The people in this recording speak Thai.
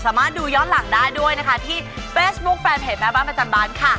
สามารถดูย้อนหลังได้ด้วยนะคะที่เฟซบุ๊คแฟนเพจแม่บ้านประจำบ้านค่ะ